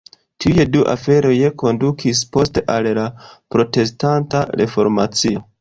Tiuj du aferoj kondukis poste al la Protestanta Reformacio.